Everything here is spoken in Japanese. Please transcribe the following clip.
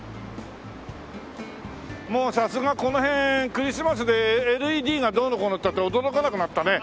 もうさすがこの辺クリスマスでＬＥＤがどうのこうのったって驚かなくなったね。